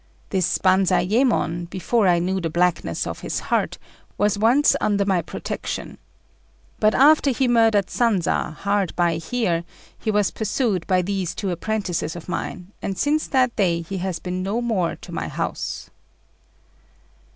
"This Banzayémon, before I knew the blackness of his heart, was once under my protection. But after he murdered Sanza, hard by here, he was pursued by these two apprentices of mine, and since that day he has been no more to my house."